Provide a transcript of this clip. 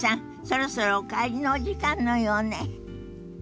そろそろお帰りのお時間のようね。